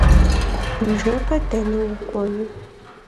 Nışhebe dene vuk'uenu?